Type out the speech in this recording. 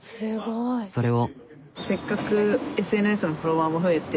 それを。